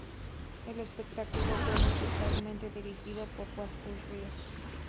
El espectáculo fue musicalmente dirigido por Walter Ríos.